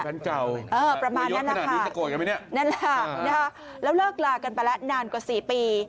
แบนเจ้าประมาณนั้นนะคะนั่นแหละค่ะแล้วเลิกลากันไปแล้วนานกว่า๔ปี